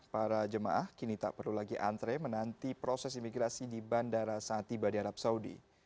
para jemaah kini tak perlu lagi antre menanti proses imigrasi di bandara saat tiba di arab saudi